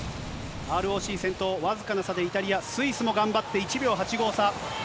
ＲＯＣ先頭、僅かな差でイタリア、スイスも頑張って１秒８５差。